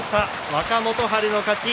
若元春の勝ち。